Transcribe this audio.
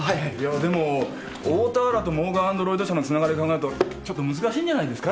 でも大田原とモーガン・アンド・ロイド社のつながり考えるとちょっと難しいんじゃないですか？